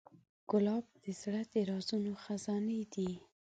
ګلاب د زړه د رازونو خزانې ده.